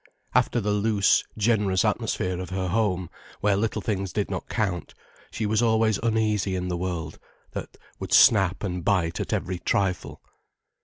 After the loose, generous atmosphere of her home, where little things did not count, she was always uneasy in the world, that would snap and bite at every trifle.